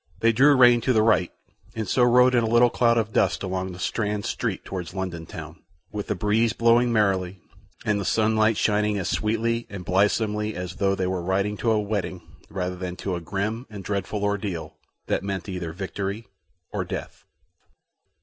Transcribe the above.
They drew rein to the right, and so rode in a little cloud of dust along the Strand Street towards London town, with the breeze blowing merrily, and the sunlight shining as sweetly and blithesomely as though they were riding to a wedding rather than to a grim and dreadful ordeal that meant either victory or death.